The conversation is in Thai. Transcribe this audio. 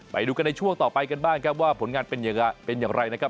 ไปดูกันในช่วงต่อไปกันบ้างครับว่าผลงานเป็นอย่างไรนะครับ